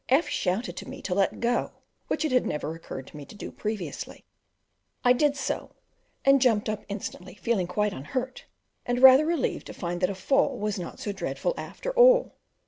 F shouted to me to let go, which it had never occurred to me to do previously. I did so, and jumped up instantly, feeling quite unhurt, and rather relieved to find that a fall was not so dreadful after all.